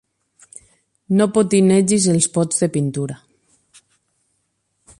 No potinegis els pots de pintura.